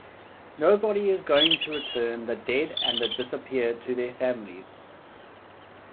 Nobody is going to return the dead and the disappeared to their families.